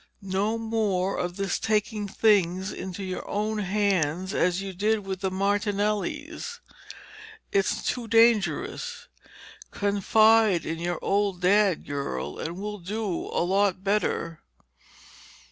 No more of this taking things into your own hands, as you did with the Martinellis. It's too dangerous. Confide in your old Dad, girl, and we'll do a lot better."